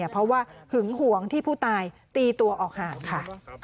เพราะว่าหึงหวงที่ผู้ตายตีตัวออกห่างค่ะ